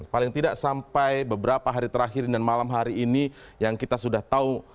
paling tidak sampai beberapa hari terakhir dan malam hari ini yang kita sudah tahu